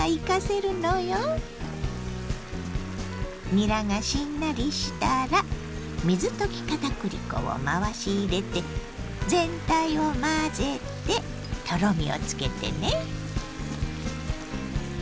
にらがしんなりしたら水溶き片栗粉を回し入れて全体を混ぜてとろみをつけてね。